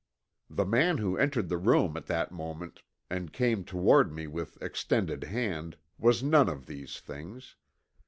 The man who entered the room at that moment and came toward me with extended hand was none of these things.